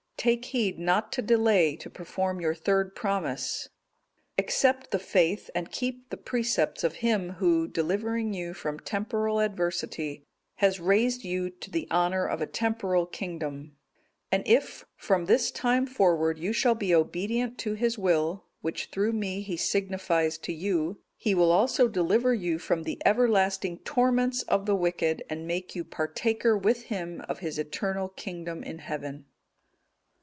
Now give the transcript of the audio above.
Take heed not to delay to perform your third promise; accept the faith, and keep the precepts of Him Who, delivering you from temporal adversity, has raised you to the honour of a temporal kingdom; and if, from this time forward, you shall be obedient to His will, which through me He signifies to you, He will also deliver you from the everlasting torments of the wicked, and make you partaker with Him of His eternal kingdom in heaven."